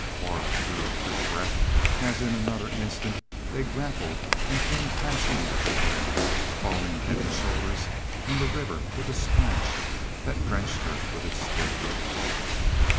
Aura drew a quick breath as in another instant they grappled and came crashing to the ground, falling head and shoulders in the river with a splash that drenched her with its spray.